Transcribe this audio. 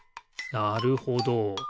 なるほど。